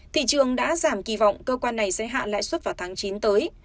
thị trường đã giảm kỳ vọng cơ quan này sẽ hạ lãi suất vào tháng chín tới